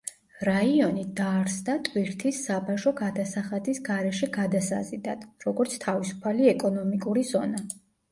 რაიონი დაარსდა ტვირთის საბაჟო გადასახადის გარეშე გადასაზიდად, როგორც თავისუფალი ეკონომიკური ზონა.